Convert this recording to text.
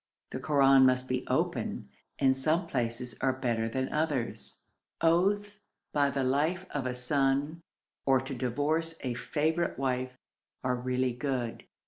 The Koran must be opened, and some places are better than others. Oaths by the life of a son, or to divorce a favourite wife, are really good.